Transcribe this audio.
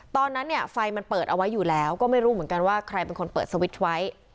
ตอนนั้นเนี่ยไฟมันเปิดเอาไว้อยู่แล้วก็ไม่รู้เหมือนกันว่าใครเป็นคนเปิดสวิตช์ไว้